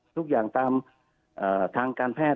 ทุกอย่างตามทางการแพทย์